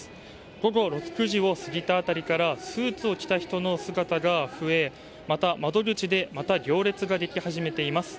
午後６時を過ぎた辺りからスーツを着た人の姿が増えまた窓口で行列ができ始めています。